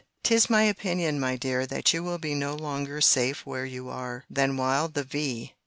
'Tis my opinion, my dear, that you will be no longer safe where you are, than while the V.